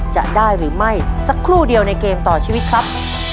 จะได้หรือไม่สักครู่เดียวในเกมต่อชีวิตครับ